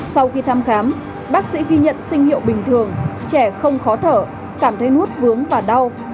sau khi thăm khám bác sĩ ghi nhận sinh hiệu bình thường trẻ không khó thở cảm thấy nuốt vướng và đau